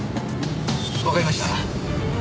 わかりました。